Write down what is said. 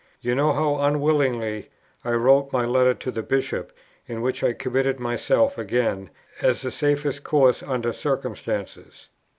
You know how unwillingly I wrote my letter to the Bishop in which I committed myself again, as the safest course under circumstances.